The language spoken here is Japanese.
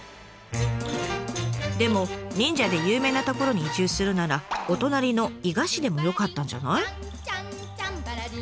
でも忍者で有名な所に移住するならお隣の伊賀市でもよかったんじゃない？